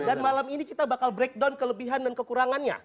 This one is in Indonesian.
dan malam ini kita bakal breakdown kelebihan dan kekurangannya